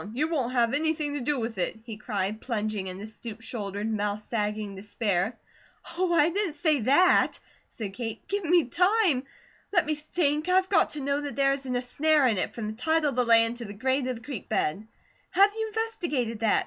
You won't have anything to do with it?" he cried, plunging into stoop shouldered, mouth sagging despair. "Oh, I didn't SAY that!" said Kate. "Give me time! Let me think! I've got to know that there isn't a snare in it, from the title of the land to the grade of the creek bed. Have you investigated that?